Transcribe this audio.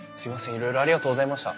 いろいろありがとうございました。